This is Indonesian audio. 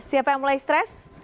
siapa yang mulai stres